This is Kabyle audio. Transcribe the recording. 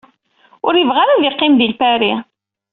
Ur ibɣi ara ad iqqim di Lpari.